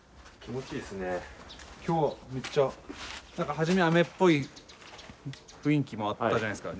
初め雨っぽい雰囲気もあったじゃないですか